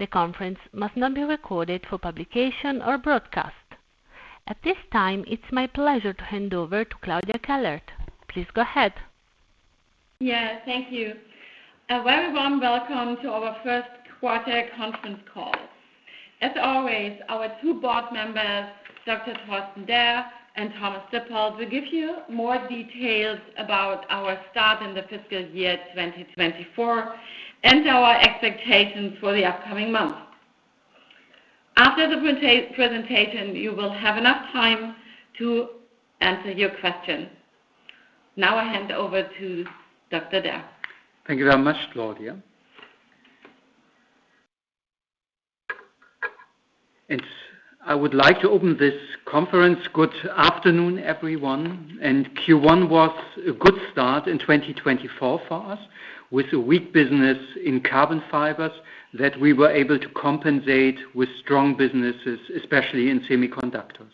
The conference must not be recorded for publication or broadcast. At this time, it's my pleasure to hand over to Claudia Kellert. Please go ahead. Yeah, thank you. A very warm welcome to our first quarter conference call. As always, our two board members, Dr. Torsten Derr and Thomas Dippold, will give you more details about our start in the fiscal year 2024 and our expectations for the upcoming months. After the presentation, you will have enough time to answer your questions. Now I hand over to Dr. Derr. Thank you very much, Claudia. It's—I would like to open this conference. Good afternoon, everyone. Q1 was a good start in 2024 for us, with a weak business in Carbon Fibers that we were able to compensate with strong businesses, especially in semiconductors.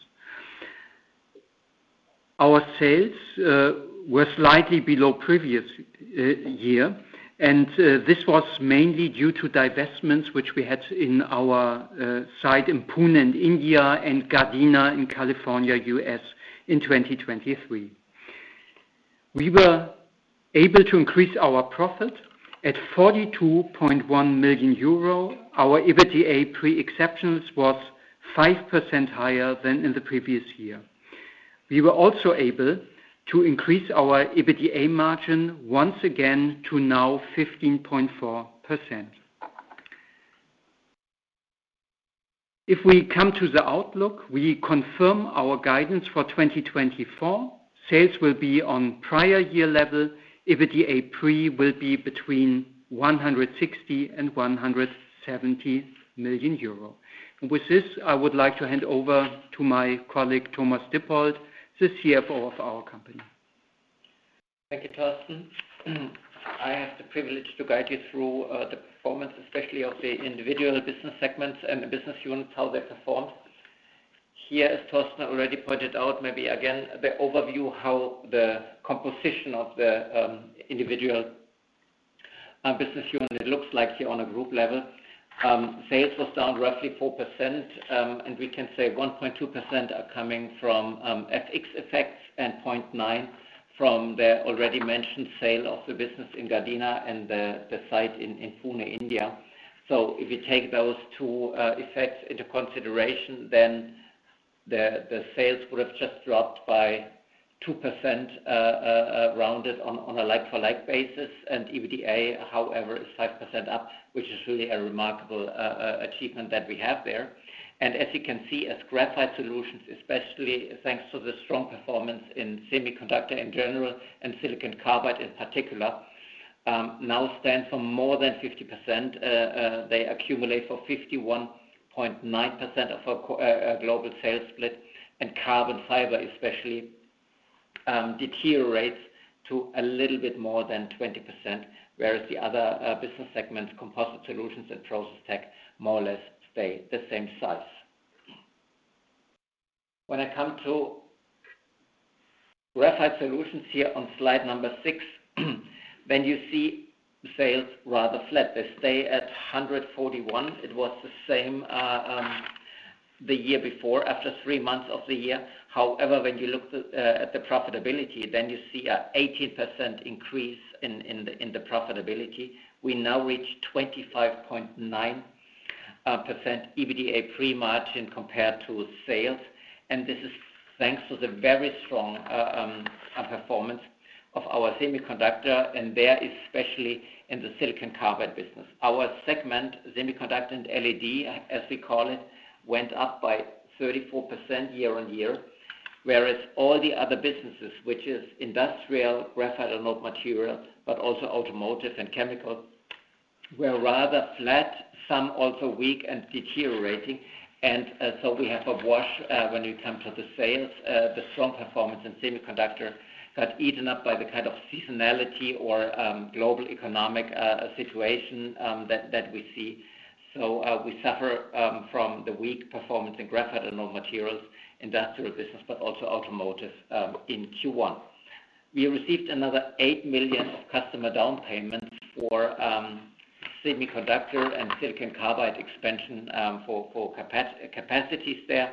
Our sales were slightly below previous year, and this was mainly due to divestments which we had in our site in Pune, India, and Gardena in California, U.S., in 2023. We were able to increase our profit to 42.1 million euro. Our EBITDA pre-exceptionals were 5% higher than in the previous year. We were also able to increase our EBITDA margin once again to now 15.4%. If we come to the outlook, we confirm our guidance for 2024: sales will be on prior-year level, EBITDA pre will be between 160 million and 170 million euro. With this, I would like to hand over to my colleague Thomas Dippold, the CFO of our company. Thank you, Torsten. I have the privilege to guide you through the performance, especially of the individual business segments and business units, how they performed. Here, as Torsten already pointed out, maybe again, the overview of how the composition of the individual business unit looks like here on a group level. Sales were down roughly 4%, and we can say 1.2% are coming from FX effects and 0.9% from the already mentioned sale of the business in Gardena and the site in Pune, India. So if we take those two effects into consideration, then the sales would have just dropped by 2%, rounded on a like-for-like basis. EBITDA, however, is 5% up, which is really a remarkable achievement that we have there. As you can see, as Graphite Solutions, especially thanks to the strong performance in semiconductor in general and silicon carbide in particular, now stand for more than 50%. They account for 51.9% of our global sales split, and Carbon Fibers especially deteriorates to a little bit more than 20%, whereas the other business segments, Composite Solutions and Process Tech, more or less stay the same size. When I come to Graphite Solutions here on slide six, then you see sales rather flat. They stay at 141. It was the same the year before, after three months of the year. However, when you look at the profitability, then you see an 18% increase in the profitability. We now reach 25.9% EBITDA pre-margin compared to sales. And this is thanks to the very strong performance of our semiconductor, and there especially in the silicon carbide business. Our segment, semiconductor and LED, as we call it, went up by 34% year-on-year, whereas all the other businesses, which are industrial, graphite and anode material, but also automotive and chemical, were rather flat, some also weak and deteriorating. So we have a wash, when we come to the sales, the strong performance in semiconductor got eaten up by the kind of seasonality or global economic situation that we see. So we suffer from the weak performance in graphite and anode materials, industrial business, but also automotive, in Q1. We received another 8 million customer downpayment for semiconductor and silicon carbide expansion for capacities there,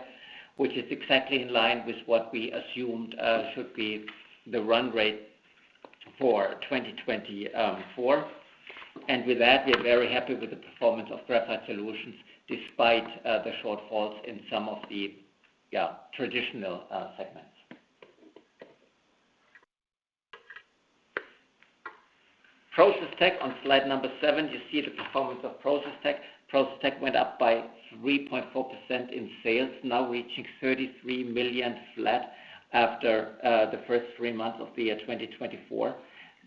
which is exactly in line with what we assumed should be the run rate for 2024. And with that, we are very happy with the performance of Graphite Solutions despite the shortfalls in some of the, yeah, traditional segments. Process Tech, on slide number seven, you see the performance of Process Tech. Process Tech went up by 3.4% in sales, now reaching 33 million flat after the first three months of the year 2024.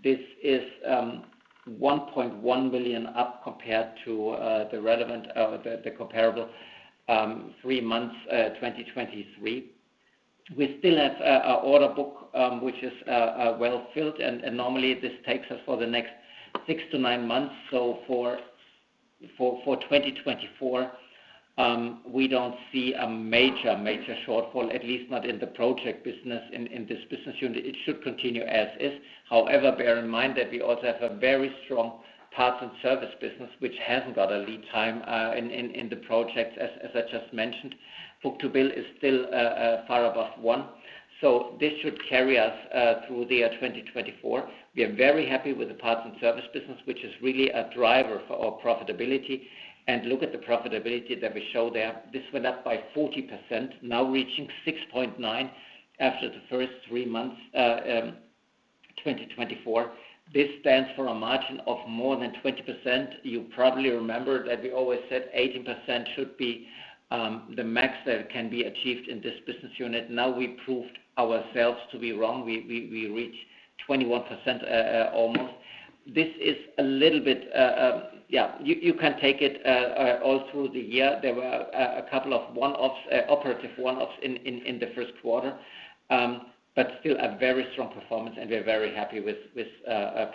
This is 1.1 million up compared to the relevant comparable three months 2023. We still have a order book, which is well filled, and normally this takes us for the next 6-9 months. So for 2024, we don't see a major shortfall, at least not in the project business in this business unit. It should continue as is. However, bear in mind that we also have a very strong parts and service business, which hasn't got a lead time in the projects, as I just mentioned. Book-to-bill is still far above one. So this should carry us through the year 2024. We are very happy with the parts and service business, which is really a driver for our profitability. And look at the profitability that we show there. This went up by 40%, now reaching 6.9% after the first three months, 2024. This stands for a margin of more than 20%. You probably remember that we always said 18% should be the max that can be achieved in this business unit. Now we proved ourselves to be wrong. We reached 21%, almost. This is a little bit, yeah, you can take it all through the year. There were a couple of one-offs, operative one-offs in the first quarter, but still a very strong performance, and we're very happy with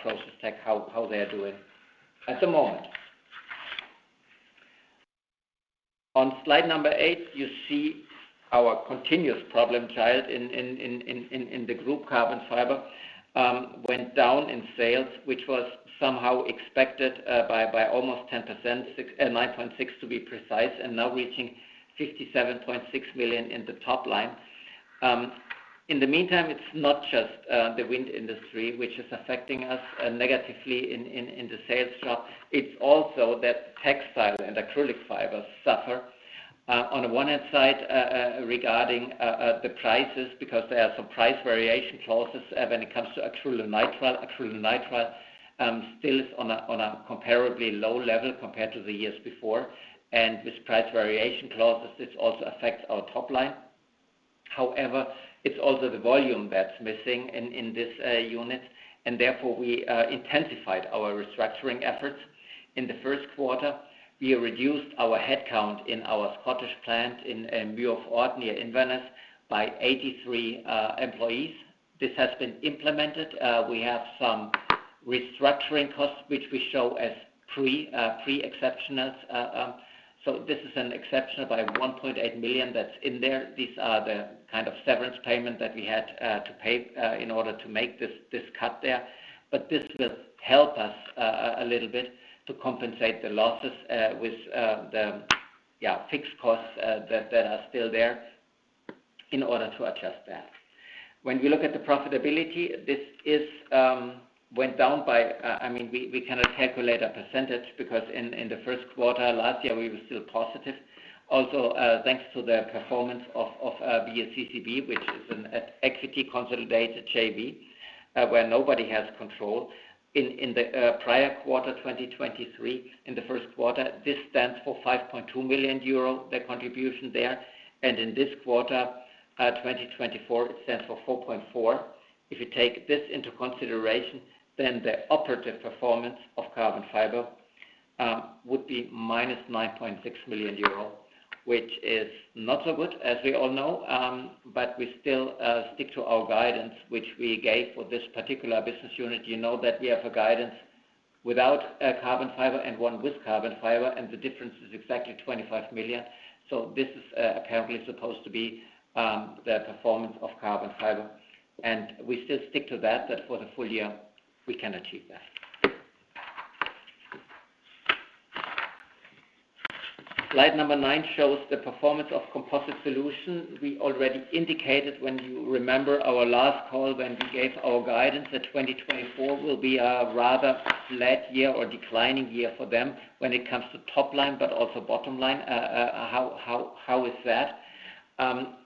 Process Tech, how they're doing at the moment. On slide number 8, you see our continuous problem child in the group Carbon Fiber, went down in sales, which was somehow expected, by almost 10%, 9.6% to be precise, and now reaching 57.6 million in the top line. In the meantime, it's not just the wind industry, which is affecting us negatively in the sales drop. It's also that textile and acrylic fiber suffer, on the one hand side, regarding the prices, because there are some price variation clauses when it comes to acrylonitrile. Acrylonitrile still is on a comparably low level compared to the years before. And this price variation clause, this also affects our top line. However, it's also the volume that's missing in this unit. And therefore, we intensified our restructuring efforts. In the first quarter, we reduced our headcount in our Scottish plant in Muir of Ord near Inverness by 83 employees. This has been implemented. We have some restructuring costs, which we show as pre-exceptionals. So this is an exceptional by 1.8 million that's in there. These are the kind of severance payment that we had to pay in order to make this cut there. But this will help us a little bit to compensate the losses with the fixed costs that are still there in order to adjust that. When you look at the profitability, this went down by, I mean, we cannot calculate a percentage because in the first quarter last year, we were still positive. Also, thanks to the performance of BSCCB, which is an equity consolidated JV, where nobody has control. In the prior quarter 2023, in the first quarter, this stands for 5.2 million euro, the contribution there. And in this quarter, 2024, it stands for 4.4 million. If you take this into consideration, then the operative performance of Carbon Fiber would be minus 9.6 million euro, which is not so good, as we all know. But we still stick to our guidance, which we gave for this particular business unit. You know that we have a guidance without Carbon Fiber and one with Carbon Fiber, and the difference is exactly 25 million. So this is apparently supposed to be the performance of Carbon Fiber. And we still stick to that, that for the full year, we can achieve that. Slide number nine shows the performance of Composite Solution. We already indicated when you remember our last call when we gave our guidance that 2024 will be a rather flat year or declining year for them when it comes to top line, but also bottom line. How is that?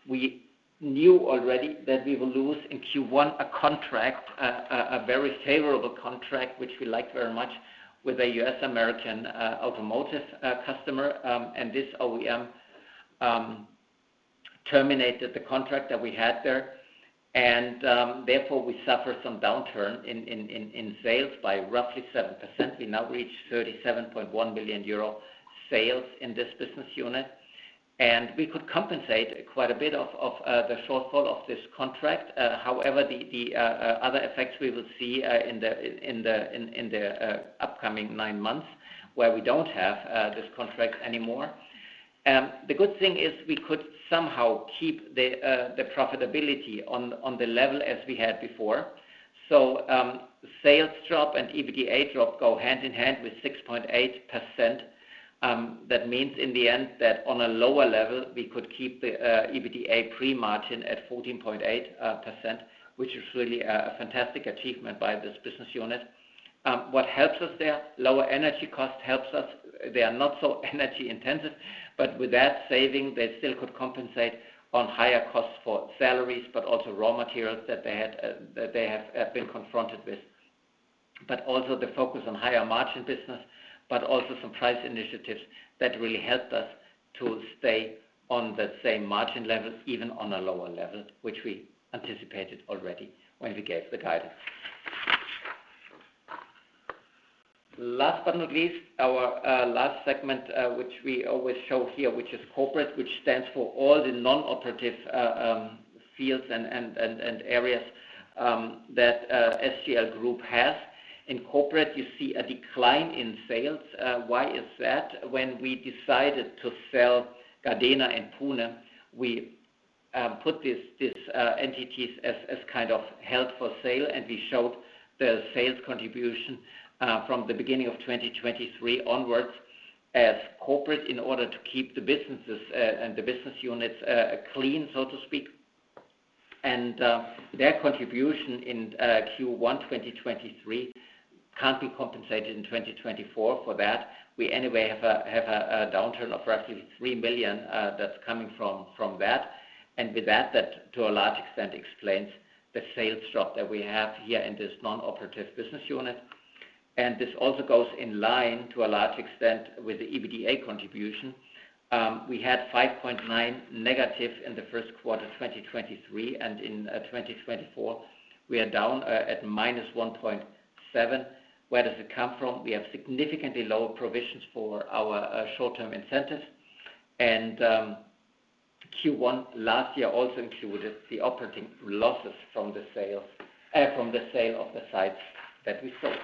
We knew already that we will lose in Q1 a contract, a very favorable contract, which we liked very much with a U.S. American automotive customer. And this OEM terminated the contract that we had there. And, therefore, we suffered some downturn in sales by roughly 7%. We now reached 37.1 million euro sales in this business unit. And we could compensate quite a bit of the shortfall of this contract. However, the other effects we will see in the upcoming nine months where we don't have this contract anymore. The good thing is we could somehow keep the, the profitability on, on the level as we had before. So, sales drop and EBITDA drop go hand in hand with 6.8%. That means in the end that on a lower level, we could keep the, EBITDA pre-margin at 14.8%, which is really a fantastic achievement by this business unit. What helps us there, lower energy cost helps us. They are not so energy intensive, but with that saving, they still could compensate on higher costs for salaries, but also raw materials that they had, that they have been confronted with. But also the focus on higher margin business, but also some price initiatives that really helped us to stay on that same margin level, even on a lower level, which we anticipated already when we gave the guidance. Last but not least, our last segment, which we always show here, which is Corporate, which stands for all the non-operative fields and areas that SGL Carbon has. In Corporate, you see a decline in sales. Why is that? When we decided to sell Gardena and Pune, we put these entities as kind of held for sale, and we showed the sales contribution from the beginning of 2023 onwards as Corporate in order to keep the businesses and the business units clean, so to speak. And their contribution in Q1 2023 can't be compensated in 2024 for that. We anyway have a downturn of roughly 3 million, that's coming from that. And with that, that to a large extent explains the sales drop that we have here in this non-operative business unit. This also goes in line to a large extent with the EBITDA contribution. We had -5.9 in the first quarter 2023, and in 2024, we are down at -1.7. Where does it come from? We have significantly lower provisions for our short-term incentives. And Q1 last year also included the operating losses from the sale, from the sale of the sites that we sold.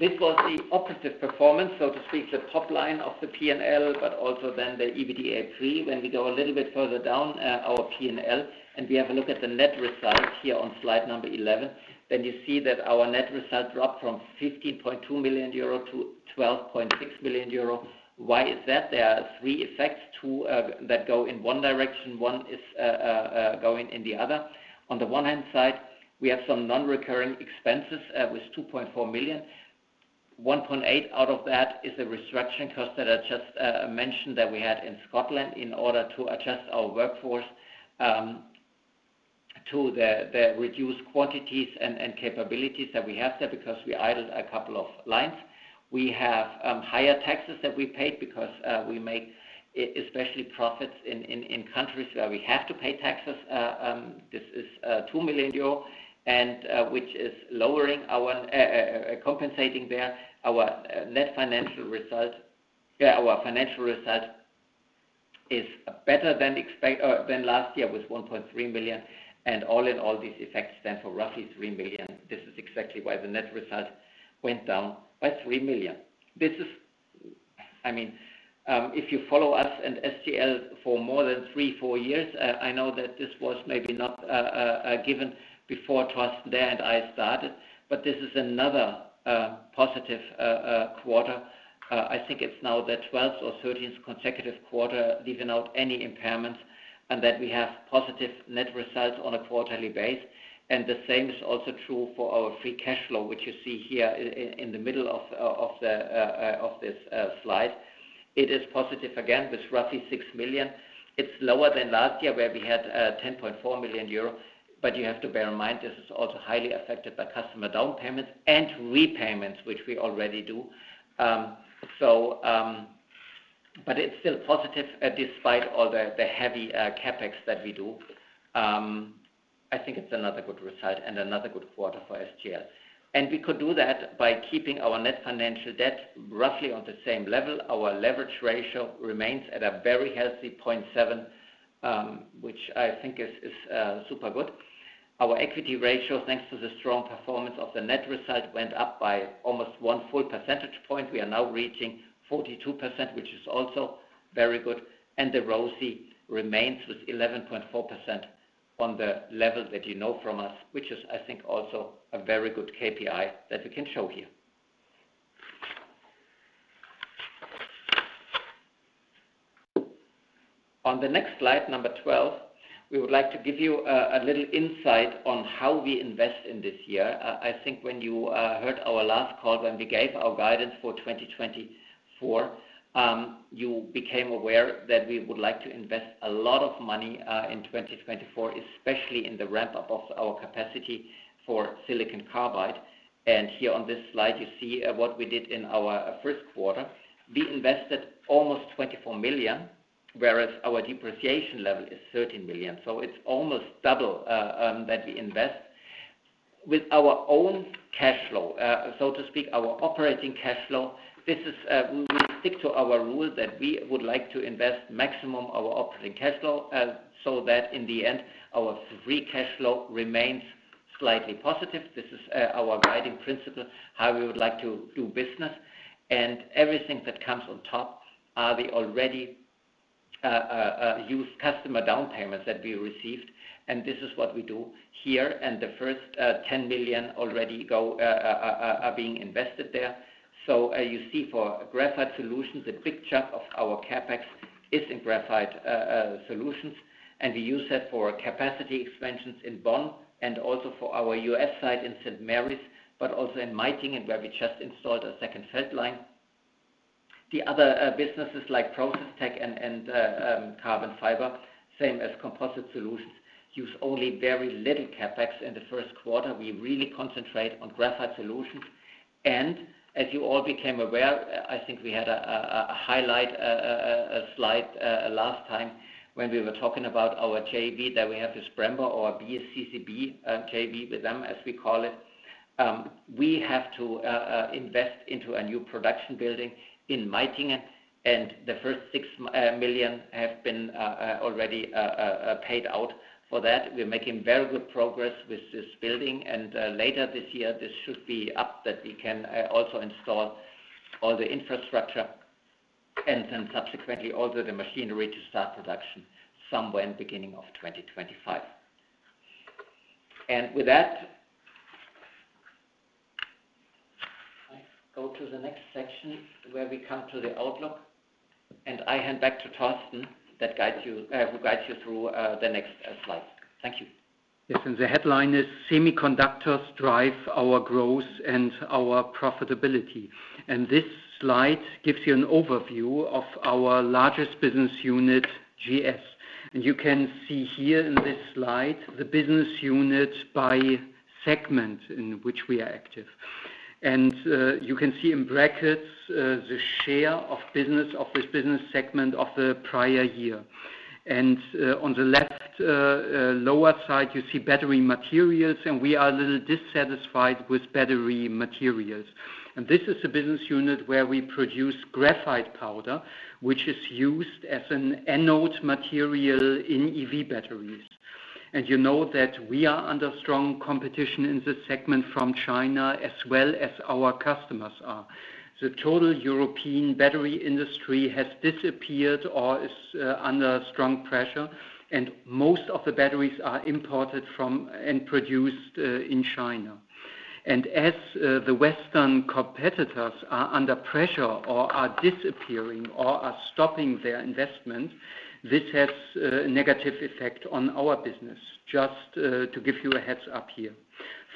This was the operative performance, so to speak, the top line of the P&L, but also then the EBITDA 3. When we go a little bit further down our P&L, and we have a look at the net result here on slide 11, then you see that our net result dropped from 15.2 million euro to 12.6 million euro. Why is that? There are three effects to that go in one direction. One is going in the other. On the one hand side, we have some non-recurring expenses, with 2.4 million. 1.8 million out of that is a restructuring cost that I just mentioned that we had in Scotland in order to adjust our workforce to the reduced quantities and capabilities that we have there because we idled a couple of lines. We have higher taxes that we paid because we made especially profits in countries where we have to pay taxes. This is 2 million, which is lowering our, compensating there. Our net financial result, yeah, our financial result is better than expected than last year with 1.3 million. And all in all, these effects stand for roughly 3 million. This is exactly why the net result went down by 3 million. This is, I mean, if you follow us and SGL for more than three or four years, I know that this was maybe not, given before trust there and I started, but this is another positive quarter. I think it's now the 12th or 13th consecutive quarter, leaving out any impairments, and that we have positive net results on a quarterly basis. And the same is also true for our free cash flow, which you see here in the middle of this slide. It is positive again with roughly 6 million. It's lower than last year where we had 10.4 million euro. But you have to bear in mind, this is also highly affected by customer down payments and repayments, which we already do, but it's still positive, despite all the heavy CapEx that we do. I think it's another good result and another good quarter for SGL. We could do that by keeping our net financial debt roughly on the same level. Our leverage ratio remains at a very healthy 0.7, which I think is super good. Our equity ratios, thanks to the strong performance of the net result, went up by almost one full percentage point. We are now reaching 42%, which is also very good. The ROCE remains with 11.4% on the level that you know from us, which is, I think, also a very good KPI that we can show here. On the next slide, number 12, we would like to give you a little insight on how we invest in this year. I think when you heard our last call when we gave our guidance for 2024, you became aware that we would like to invest a lot of money in 2024, especially in the ramp-up of our capacity for silicon carbide. Here on this slide, you see what we did in our first quarter. We invested almost 24 million, whereas our depreciation level is 13 million. So it's almost double, that we invest. With our own cash flow, so to speak, our operating cash flow, this is, we will stick to our rule that we would like to invest maximum our operating cash flow, so that in the end, our free cash flow remains slightly positive. This is, our guiding principle, how we would like to do business. And everything that comes on top are the already used customer down payments that we received. This is what we do here. The first 10 million already go are being invested there. So, you see for Graphite Solutions, the big chunk of our CapEx is in Graphite Solutions. And we use that for capacity expansions in Bonn and also for our U.S. site in St. Marys, but also in Meitingen and where we just installed a second felt line. The other businesses like Process Tech and Carbon Fiber, same as Composite Solutions, use only very little CapEx in the first quarter. We really concentrate on Graphite Solutions. As you all became aware, I think we had a highlight, a slide, last time when we were talking about our JV that we have this Brembo or BSCCB JV with them, as we call it. We have to invest into a new production building in Meitingen. And the first 6 million have been already paid out for that. We're making very good progress with this building. Later this year, this should be up that we can also install all the infrastructure and then subsequently also the machinery to start production somewhere in the beginning of 2025. And with that, go to the next section where we come to the outlook. And I hand back to Torsten who guides you through the next slides. Thank you. Listen, the headline is Semiconductors Drive Our Growth and Our Profitability. And this slide gives you an overview of our largest business unit, GS. And you can see here in this slide the business unit by segment in which we are active. And you can see in brackets the share of business of this business segment of the prior year. On the left, lower side, you see battery materials, and we are a little dissatisfied with battery materials. This is a business unit where we produce graphite powder, which is used as an anode material in EV batteries. You know that we are under strong competition in this segment from China, as well as our customers are. The total European battery industry has disappeared or is under strong pressure, and most of the batteries are imported from and produced in China. As the Western competitors are under pressure or are disappearing or are stopping their investments, this has a negative effect on our business, just to give you a heads-up here.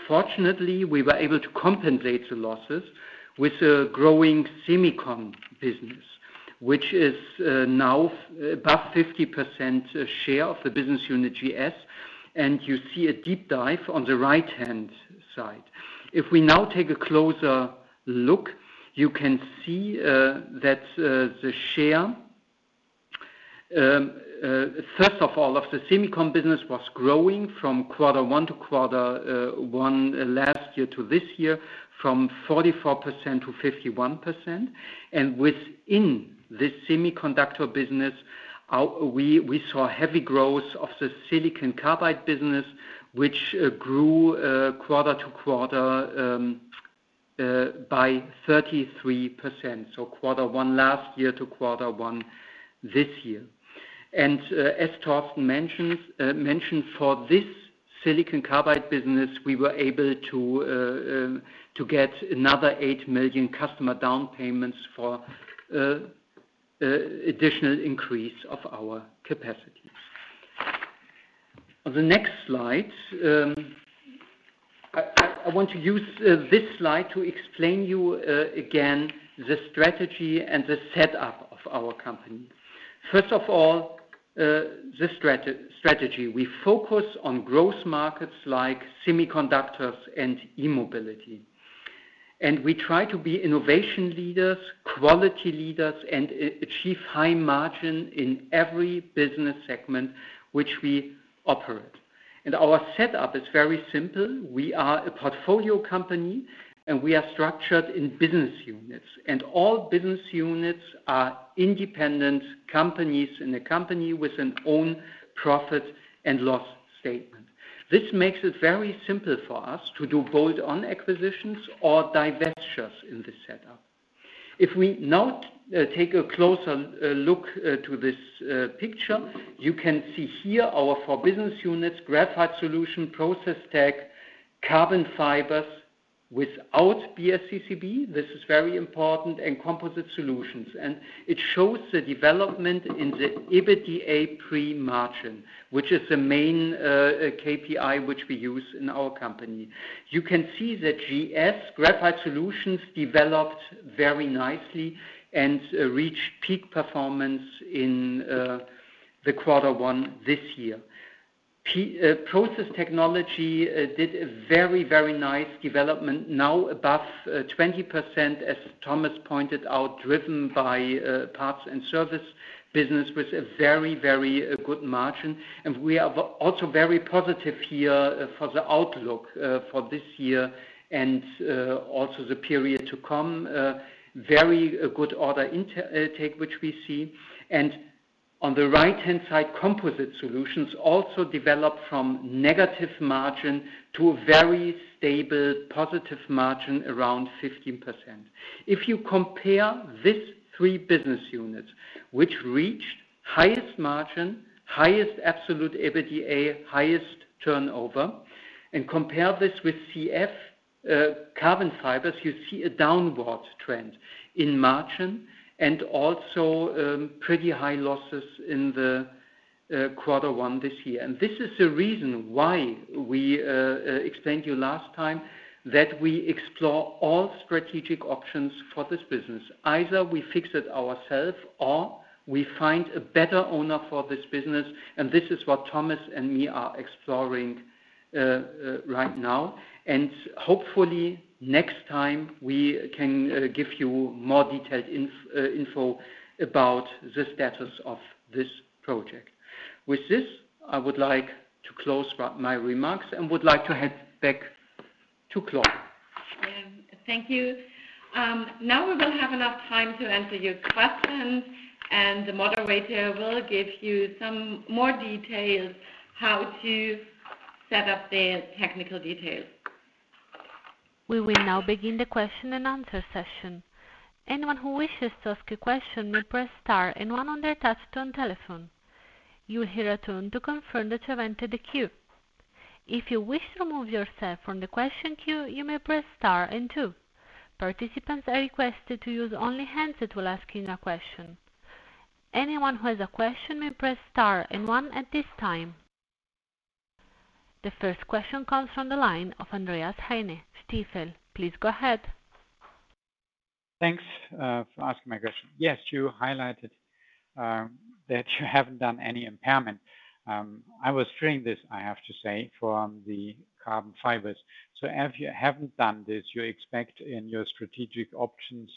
Fortunately, we were able to compensate the losses with a growing semiconductor business, which is now above 50% share of the business unit, GS. You see a deep dive on the right-hand side. If we now take a closer look, you can see that the share, first of all, of the semiconductor business was growing from quarter one to quarter one last year to this year from 44% to 51%. And within this semiconductor business, we saw heavy growth of the silicon carbide business, which grew, quarter to quarter, by 33%. So quarter one last year to quarter one this year. And, as Torsten mentioned for this silicon carbide business, we were able to get another 8 million customer down payments for additional increase of our capacities. On the next slide, I want to use this slide to explain to you again the strategy and the setup of our company. First of all, the strategy, we focus on growth markets like semiconductors and e-mobility. We try to be innovation leaders, quality leaders, and achieve high margin in every business segment which we operate. Our setup is very simple. We are a portfolio company and we are structured in business units. All business units are independent companies in a company with an own profit and loss statement. This makes it very simple for us to do bolt-on acquisitions or divestitures in this setup. If we now take a closer look to this picture, you can see here our four business units, Graphite Solutions, Process Tech, Carbon Fibers without BSCCB, this is very important, and Composite Solutions. It shows the development in the EBITDA pre-margin, which is the main KPI which we use in our company. You can see that GS, Graphite Solutions, developed very nicely and reached peak performance in the quarter one this year. Process Technology did a very, very nice development now above 20%, as Thomas pointed out, driven by parts and service business with a very, very good margin. And we are also very positive here for the outlook for this year and also the period to come. Very good order intake, which we see. And on the right-hand side, Composite Solutions also developed from negative margin to a very stable positive margin around 15%. If you compare these three business units, which reached highest margin, highest absolute EBITDA, highest turnover, and compare this with CF, Carbon Fibers, you see a downward trend in margin and also pretty high losses in the quarter one this year. And this is the reason why we explained to you last time that we explore all strategic options for this business. Either we fix it ourselves or we find a better owner for this business. And this is what Thomas and me are exploring, right now. And hopefully next time we can give you more detailed info about the status of this project. With this, I would like to close my remarks and would like to head back to Claudia. Thank you. Now we will have enough time to answer your questions. And the moderator will give you some more details on how to set up the technical details. We will now begin the question-and-answer session. Anyone who wishes to ask a question may press star and one on their touch-tone telephone. You'll hear a tone to confirm that you entered the queue. If you wish to remove yourself from the question queue, you may press star and two. Participants are requested to use only handset while asking a question. Anyone who has a question may press star and one at this time. The first question comes from the line of Andreas Heine. Stifel, please go ahead. Thanks for asking my question. Yes, you highlighted that you haven't done any impairment. I was hearing this, I have to say, from the Carbon Fibers. So if you haven't done this, you expect in your strategic options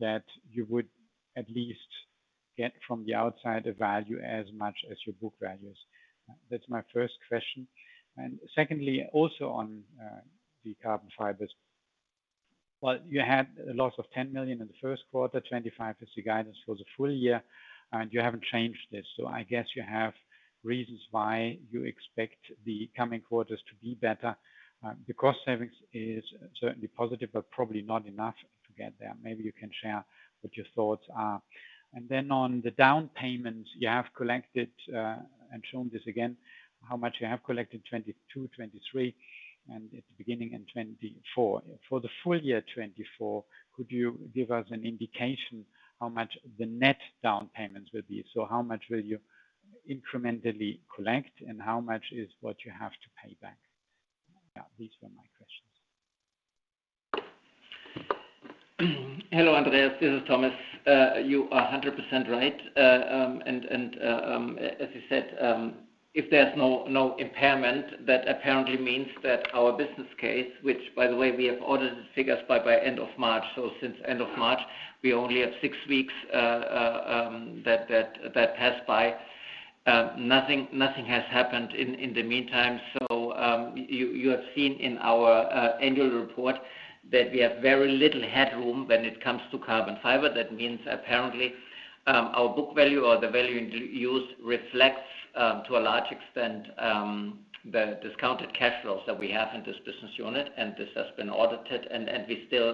that you would at least get from the outside a value as much as your book values. That's my first question. And secondly, also on the Carbon Fibers, well, you had a loss of 10 million in the first quarter, 25 million is the guidance for the full year, and you haven't changed this. So I guess you have reasons why you expect the coming quarters to be better. The cost savings is certainly positive, but probably not enough to get there. Maybe you can share what your thoughts are. And then on the down payments you have collected and shown this again, how much you have collected in 2022, 2023, and at the beginning in 2024. For the full year 2024, could you give us an indication how much the net down payments will be? So how much will you incrementally collect and how much is what you have to pay back? Yeah, these were my questions. Hello, Andreas. This is Thomas. You are 100% right. And as you said, if there's no impairment, that apparently means that our business case, which, by the way, we have audited figures by end of March, so since end of March, we only have six weeks that pass by. Nothing has happened in the meantime. So, you have seen in our annual report that we have very little headroom when it comes to Carbon Fiber. That means apparently, our book value or the value used reflects, to a large extent, the discounted cash flows that we have in this business unit. And this has been audited and we still,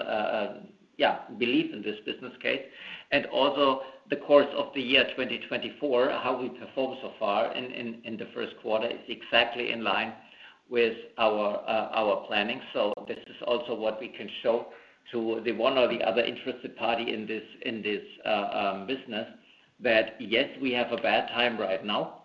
yeah, believe in this business case. And also the course of the year 2024, how we perform so far in the first quarter is exactly in line with our planning. So this is also what we can show to the one or the other interested party in this business that yes, we have a bad time right now,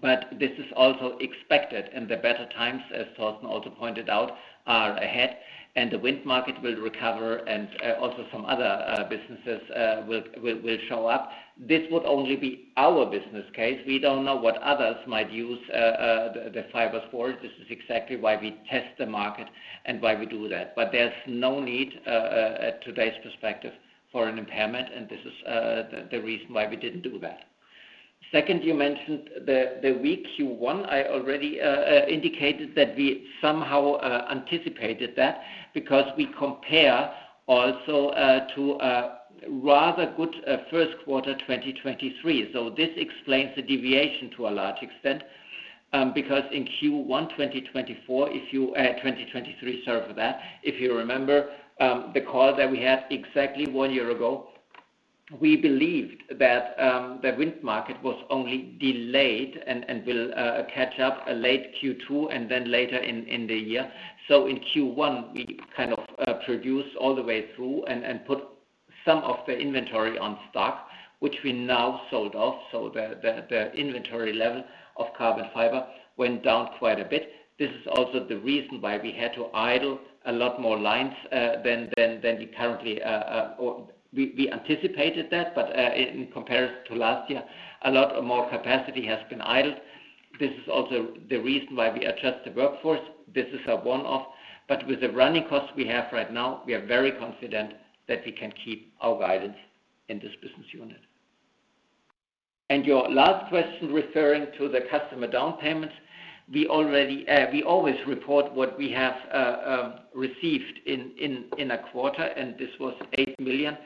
but this is also expected. And the better times, as Torsten also pointed out, are ahead. And the wind market will recover and also some other businesses will show up. This would only be our business case. We don't know what others might use, the fibers for. This is exactly why we test the market and why we do that. But there's no need, at today's perspective for an impairment. And this is, the reason why we didn't do that. Second, you mentioned the weak Q1. I already indicated that we somehow anticipated that because we compare also to a rather good first quarter 2023. So this explains the deviation to a large extent, because in Q1 2024, if you, 2023, sorry for that, if you remember, the call that we had exactly one year ago, we believed that the wind market was only delayed and will catch up in late Q2 and then later in the year. So in Q1, we kind of produced all the way through and put some of the inventory on stock, which we now sold off. So the inventory level of Carbon Fiber went down quite a bit. This is also the reason why we had to idle a lot more lines than we anticipated that, but in comparison to last year, a lot more capacity has been idled. This is also the reason why we adjust the workforce. This is a one-off, but with the running costs we have right now, we are very confident that we can keep our guidance in this business unit. And your last question referring to the customer down payments, we always report what we have received in a quarter, and this was 8 million.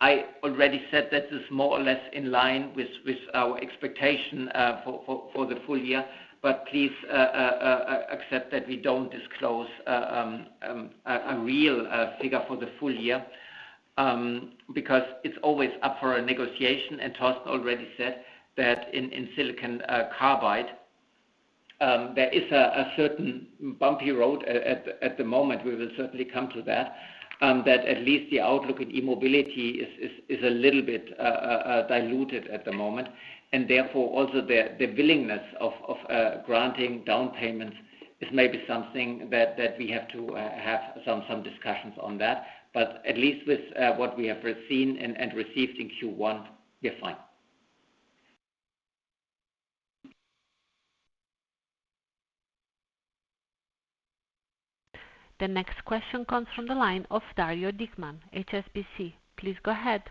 I already said that this is more or less in line with our expectation for the full year. But please accept that we don't disclose a real figure for the full year, because it's always up for negotiation. And Torsten already said that in silicon carbide there is a certain bumpy road at the moment. We will certainly come to that at least the outlook in e-mobility is a little bit diluted at the moment. And therefore also the willingness of granting down payments is maybe something that we have to have some discussions on that. But at least with what we have seen and received in Q1, we are fine. The next question comes from the line of Dario Dickmann, HSBC. Please go ahead.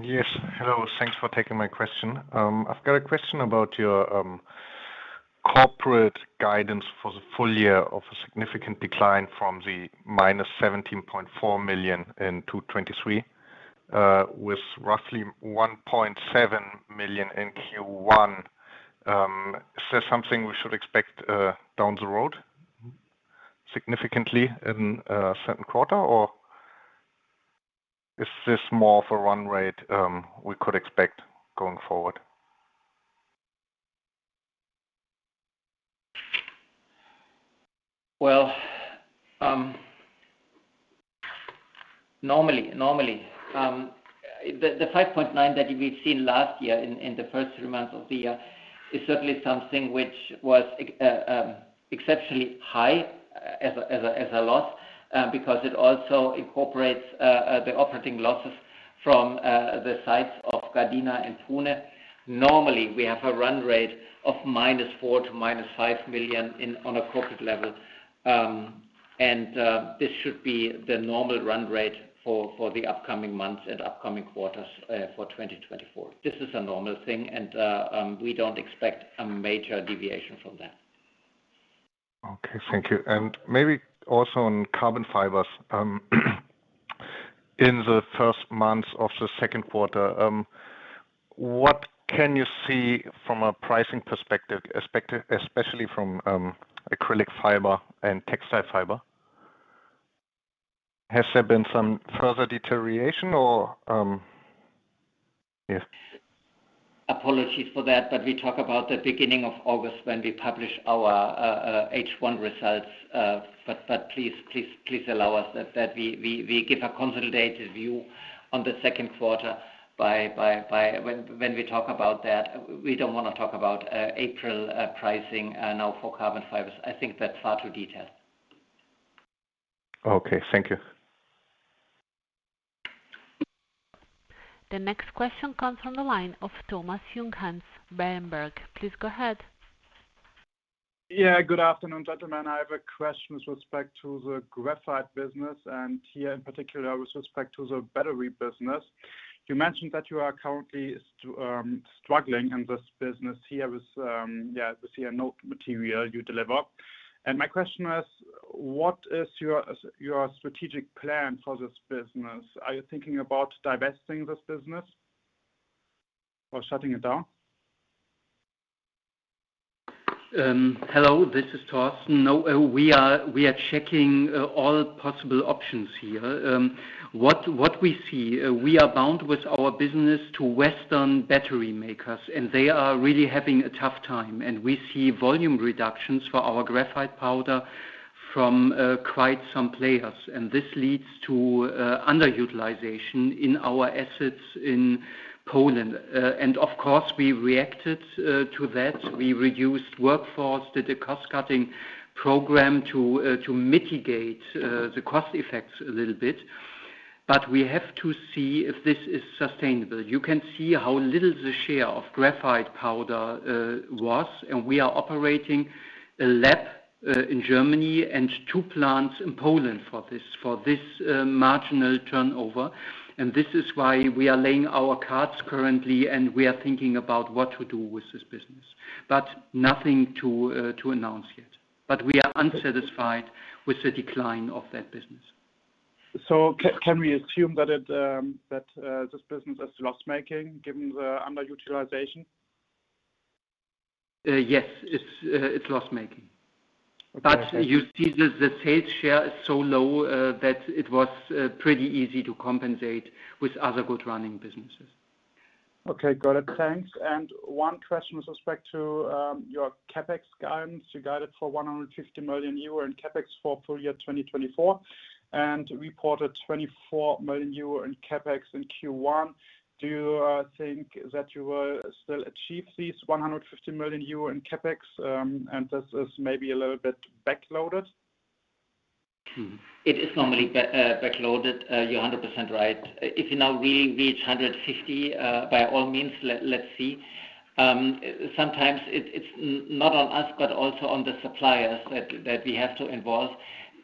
Yes. Hello. Thanks for taking my question. I've got a question about your Corporate guidance for the full year of a significant decline from the -17.4 million in 2023, with roughly -1.7 million in Q1. Is this something we should expect down the road significantly in a certain quarter, or is this more of a run rate we could expect going forward? Well, normally, normally, the 5.9 that we've seen last year in the first three months of the year is certainly something which was exceptionally high as a loss because it also incorporates the operating losses from the sites of Gardena and Pune. Normally, we have a run rate of -4 million--5 million on a corporate level. This should be the normal run rate for the upcoming months and upcoming quarters for 2024. This is a normal thing. We don't expect a major deviation from that. Okay. Thank you. And maybe also on Carbon Fibers, in the first months of the second quarter, what can you see from a pricing perspective, especially from acrylic fiber and textile fiber? Has there been some further deterioration or? Yes. Apologies for that, but we talk about the beginning of August when we publish our H1 results. But please, please, please allow us that we give a consolidated view on the second quarter by when we talk about that. We don't want to talk about April pricing now for Carbon Fibers. I think that's far too detailed. Okay. Thank you. The next question comes from the line of Thomas Junghanns, Berenberg. Please go ahead. Yeah. Good afternoon, gentlemen. I have a question with respect to the Graphite business and here in particular with respect to the battery business. You mentioned that you are currently struggling in this business here with, yeah, with anode material you deliver. And my question is, what is your strategic plan for this business? Are you thinking about divesting this business or shutting it down? Hello. This is Torsten. No, we are checking all possible options here. What we see, we are bound with our business to Western battery makers, and they are really having a tough time. And we see volume reductions for our graphite powder from quite some players. And this leads to underutilization in our assets in Poland. And of course, we reacted to that. We reduced workforce, did a cost-cutting program to mitigate the cost effects a little bit. But we have to see if this is sustainable. You can see how little the share of graphite powder was. We are operating a lab in Germany and two plants in Poland for this, for this marginal turnover. This is why we are laying our cards currently and we are thinking about what to do with this business. But nothing to announce yet. We are unsatisfied with the decline of that business. So can we assume that this business is loss-making given the underutilization? Yes, it's loss-making. But you see the sales share, it's so low that it was pretty easy to compensate with other good running businesses. Okay. Got it. Thanks. One question with respect to your CapEx guidance. You guided for 150 million euro in CapEx for full year 2024 and reported 24 million euro in CapEx in Q1. Do you think that you will still achieve these 150 million euro in CapEx? This is maybe a little bit backloaded. It is normally backloaded. You're 100% right. If you now really reach 150, by all means, let's see. Sometimes it's not on us, but also on the suppliers that we have to involve.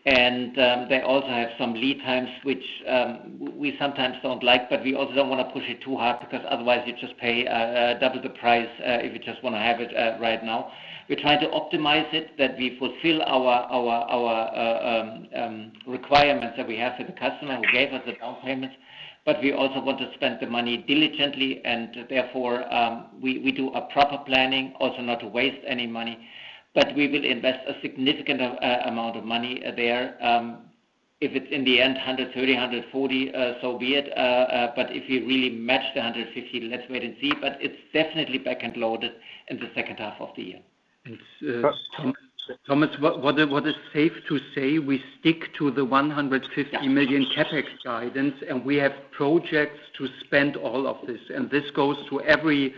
They also have some lead times, which we sometimes don't like, but we also don't want to push it too hard because otherwise you just pay double the price if you just want to have it right now. We're trying to optimize it, that we fulfill our requirements that we have with the customer who gave us the down payments. We also want to spend the money diligently and therefore we do a proper planning, also not to waste any money. We will invest a significant amount of money there. If it's in the end 130, 140, so be it. If you really match the 150, let's wait and see. But it's definitely back and loaded in the second half of the year. Thomas, what is safe to say, we stick to the 150 million CapEx guidance and we have projects to spend all of this. And this goes to every,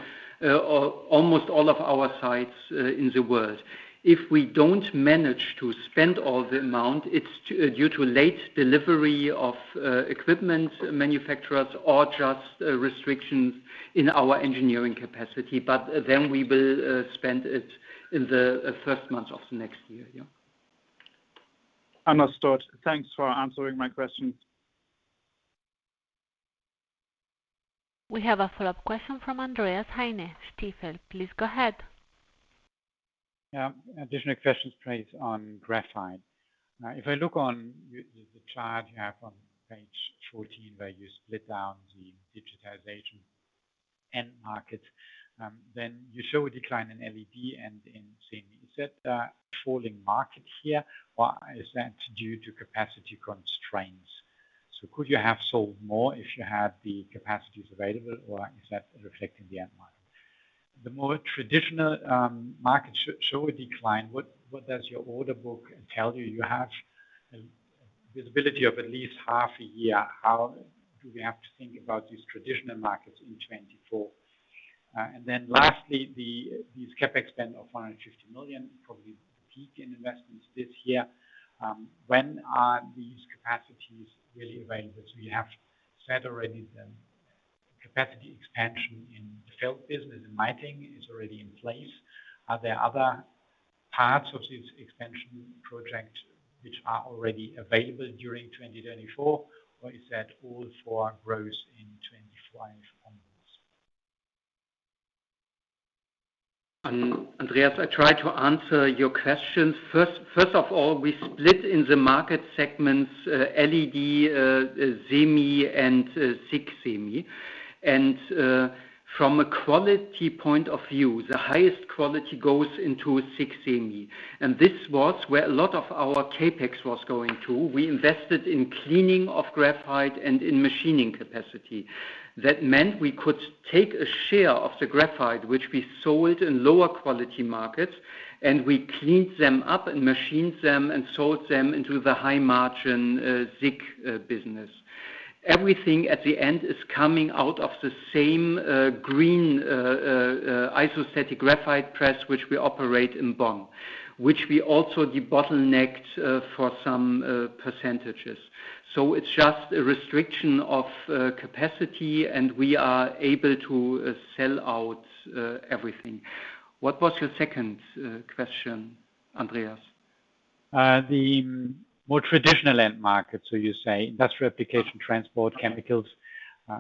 almost all of our sites in the world. If we don't manage to spend all the amount, it's due to late delivery of equipment manufacturers or just restrictions in our engineering capacity. But then we will spend it in the first months of the next year. Understood. Thanks for answering my question. We have a follow-up question from Andreas Heine, Stifel. Please go ahead. Yeah. Additional questions placed on graphite. If I look on the chart you have on page 14 where you split down the digitization and market, then you show a decline in LED and in CME. Is that a fall in market here, or is that due to capacity constraints? So could you have sold more if you had the capacities available, or is that reflecting the end market? The more traditional markets show a decline. What does your order book tell you? You have a visibility of at least half a year. How do we have to think about these traditional markets in 2024? And then lastly, this CapEx spend of 150 million probably peaks in investments this year. When are these capacities really available? So you have set them already. Capacity expansion in the field business, in lighting, is already in place. Are there other parts of this expansion project which are already available during 2024, or is that all for growth in 2024 and onwards? Andreas, I tried to answer your questions. First of all, we split in the market segments LED, semi, and SiC semi. From a quality point of view, the highest quality goes into SiC semi. This was where a lot of our CapEx was going to. We invested in cleaning of graphite and in machining capacity. That meant we could take a share of the graphite, which we sold in lower quality markets, and we cleaned them up and machined them and sold them into the high-margin SiC business. Everything at the end is coming out of the same green isostatic graphite press, which we operate in Bonn, which we also debottlenecked for some percentages. So it's just a restriction of capacity, and we are able to sell out everything. What was your second question, Andreas? The more traditional end markets, so you say industrial application, transport, chemicals.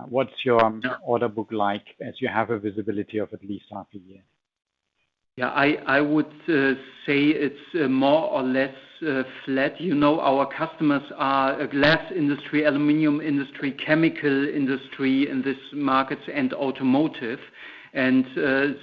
What's your order book like as you have a visibility of at least half a year? Yeah, I would say it's more or less flat. You know, our customers are a glass industry, aluminum industry, chemical industry in this market, and automotive. And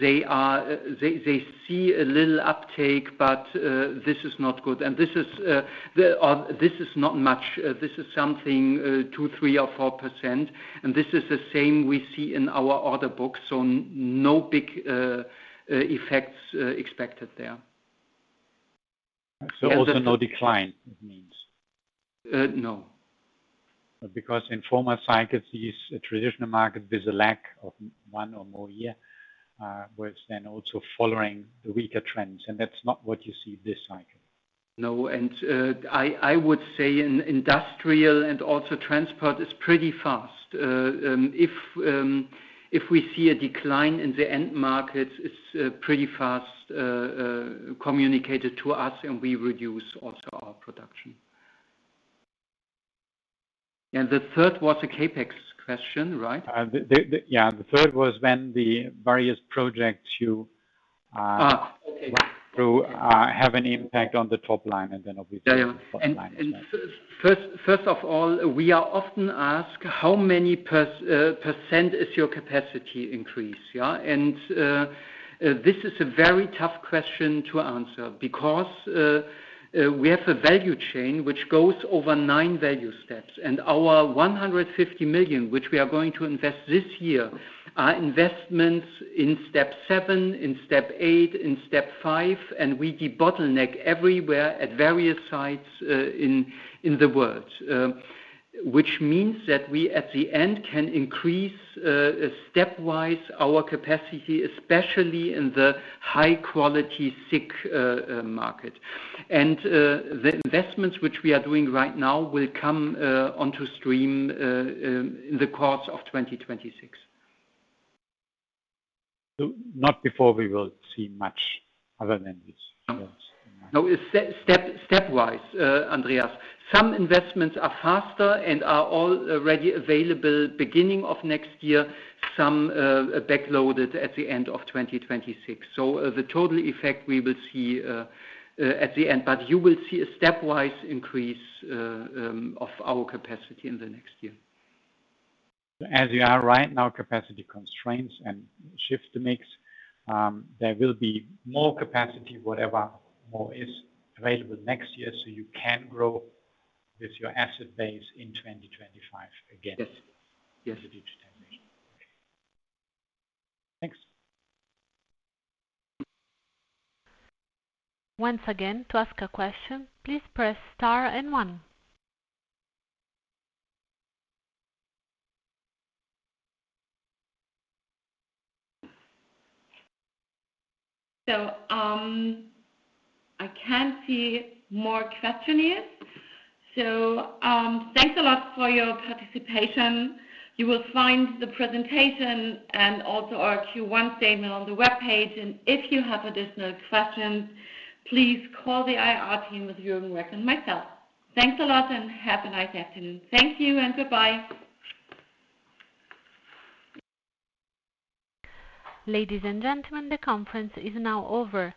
they see a little uptake, but this is not good. And this is not much. This is something 2%, 3%, or 4%. And this is the same we see in our order book. So no big effects expected there. So also no decline, it means? No. Because in former cycles, these traditional markets with a lag of one or more year were then also following weaker trends. And that's not what you see this cycle. No. And I would say industrial and also transport is pretty fast. If we see a decline in the end markets, it's pretty fast communicated to us, and we reduce also our production. The third was a CapEx question, right? Yeah. The third was when the various projects you do have an impact on the top line and then obviously the bottom line. Yeah. First of all, we are often asked, how many % is your capacity increase? And this is a very tough question to answer because we have a value chain which goes over nine value steps. And our 150 million, which we are going to invest this year, are investments in Step 7, in Step 8, in Step 5. And we debottleneck everywhere at various sites in the world, which means that we at the end can increase stepwise our capacity, especially in the high-quality SiC market. The investments which we are doing right now will come on stream in the course of 2026. So not before we will see much other than this? No. Stepwise, Andreas. Some investments are faster and are all already available beginning of next year, some backloaded at the end of 2026. So the total effect we will see at the end, but you will see a stepwise increase of our capacity in the next year. So as you are right now, capacity constraints and shift the mix, there will be more capacity, whatever more is available next year. So you can grow with your asset base in 2025 again. Yes. Thanks. Once again, to ask a question, please press star and one. So I can't see more questions. So thanks a lot for your participation. You will find the presentation and also our Q1 statement on the webpage. If you have additional questions, please call the IR team with Jürgen Reck and myself. Thanks a lot and have a nice afternoon. Thank you and goodbye. Ladies and gentlemen, the conference is now over.